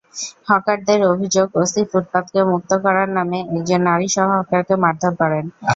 হকারদের অভিযোগ, ওসি ফুটপাতকে মুক্ত করার নামে একজন নারীসহ হকারকে মারধর করেন।